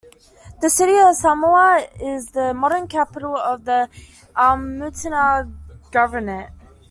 The city of Samawah is the modern capital of the Al Muthanna Governorate.